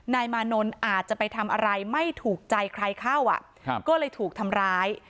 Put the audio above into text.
นายมานนท์อาจจะไปทำอะไรไม่ถูกใจใครเข้าอ่ะก็เลยถูกทำร้าย